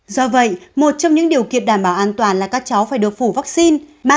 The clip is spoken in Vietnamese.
do vậy một trong những điều kiện đảm bảo an toàn là các cháu phải được phủ vaccine